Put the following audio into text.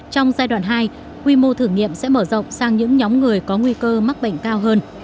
trong giai đoạn hai quy mô thử nghiệm sẽ mở rộng sang những nhóm người có nguy cơ mắc bệnh cao hơn